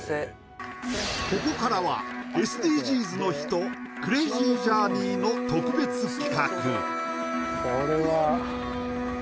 ここからはＳＤＧｓの日と「クレイジージャーニー」の特別企画。